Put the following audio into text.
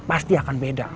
pasti akan beda